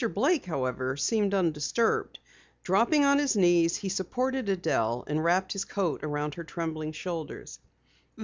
Blake, however, seemed undisturbed. Dropping on his knees, he supported Adelle and wrapped his coat about her trembling shoulders.